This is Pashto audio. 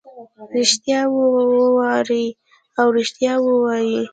ریښتیا واوري او ریښتیا ووایي.